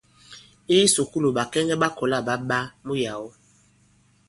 I kisùkulù, ɓàkɛŋɛ ɓa kɔ̀la ɓa ɓa muyàwo.